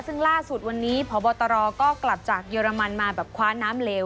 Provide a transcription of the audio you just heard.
ซึ่งล่าสุดวันนี้พบตรก็กลับจากเยอรมันมาแบบคว้าน้ำเลว